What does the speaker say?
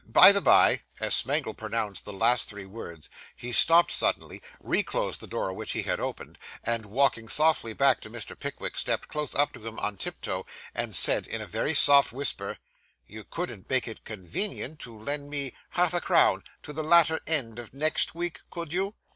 By the bye ' As Smangle pronounced the last three words, he stopped suddenly, reclosed the door which he had opened, and, walking softly back to Mr. Pickwick, stepped close up to him on tiptoe, and said, in a very soft whisper 'You couldn't make it convenient to lend me half a crown till the latter end of next week, could you?